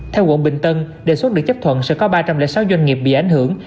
theo quận bình tân đề xuất được chấp thuận sẽ có ba trăm linh sáu doanh nghiệp bị ảnh hưởng